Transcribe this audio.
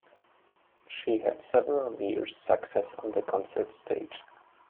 She had several years' success on the concert stage.